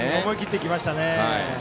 思い切ってきましたね。